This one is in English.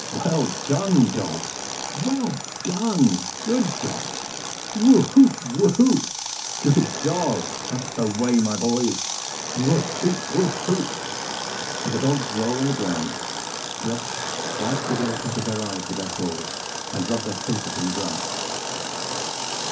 Well done, dogs! well done, good dogs! Woo hoop, woo hoop! Good dogs! That's the way, my boys! Woo hoop! woo hoop! And the dogs roll on the ground, stretch, wipe the dirt out of their eyes with their paws, and rub their faces in the grass.